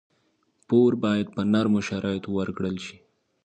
پور باید په نرمو شرایطو ورکړل شي.